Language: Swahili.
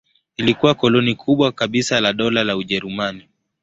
Ilikuwa koloni kubwa kabisa la Dola la Ujerumani.